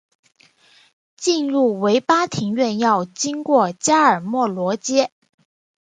进入维巴庭园要经过加尔默罗街。